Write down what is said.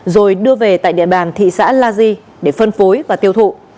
rồi đưa về tại địa bàn thị xã la di để phân phối và tiêu thụ